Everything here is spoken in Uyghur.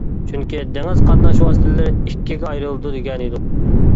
چۈنكى دېڭىز قاتناش ۋاسىتىلىرى ئىككىگە ئايرىلىدۇ دېگەنىدۇق.